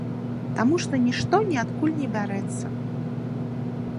Таму што нішто ніадкуль не бярэцца.